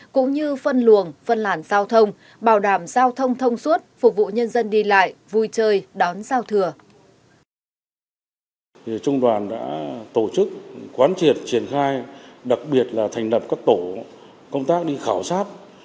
cũng như phân luồng phân làn giao thông bảo đảm giao thông thông suốt phục vụ nhân dân đi lại vui chơi đón giao thừa